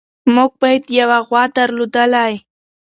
موږ باید یوه غوا درلودلی.